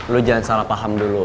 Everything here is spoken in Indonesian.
lu jangan salah paham dulu